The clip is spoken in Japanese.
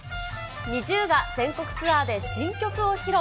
ＮｉｚｉＵが全国ツアーで新曲を披露。